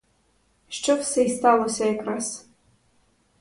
Що все і сталося якраз;